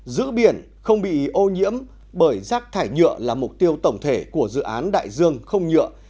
giữ biển không bị ô nhiễm bởi rác thải nhựa là mục tiêu tổng thể của dự án đại dương không nhựa